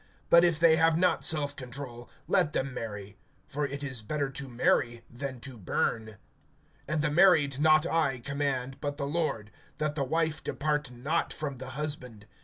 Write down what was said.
(9)But if they have not self control, let them marry; for it is better to marry than to burn. (10)And the married not I command, but the Lord, that the wife depart not from the husband.